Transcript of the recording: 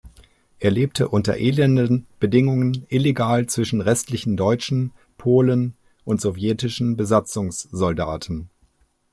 Er lebte unter elenden Bedingungen illegal zwischen restlichen Deutschen, Polen und sowjetischen Besatzungssoldaten.